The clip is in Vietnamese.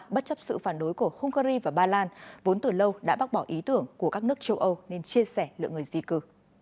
bất chấp sự phản đối của hungary và ba lan vốn từ lâu đã bác bỏ ý tưởng của các nước châu âu nên chia sẻ lượng người di cư